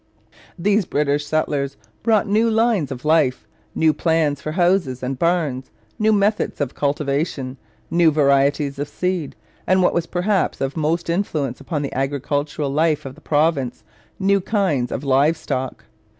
These British settlers brought new lines of life, new plans for houses and barns, new methods of cultivation, new varieties of seed, and, what was perhaps of most influence upon the agricultural life of the province, new kinds of live stock.